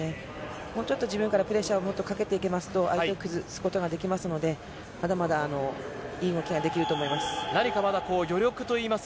もっと自分からプレッシャーをかけていきますと相手を崩すことができるので、まだまだいい動きができると思います。